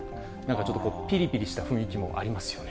ちょっと、ぴりぴりした雰囲気もありますよね。